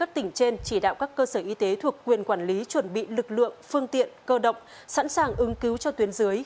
thế thuộc quyền quản lý chuẩn bị lực lượng phương tiện cơ động sẵn sàng ứng cứu cho tuyến dưới